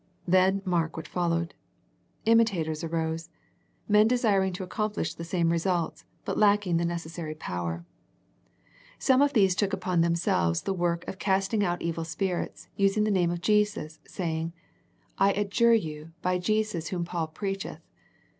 Then mark what followed. Imitators arose, men desiring to accomplish the same results, but lacking the necessary power. Some of 34 A First Century Message these took upon themselves the work of cast ing out evil spirits, using the name of Jesus saying, " I adjure you by Jesus Whom Paul preacheth."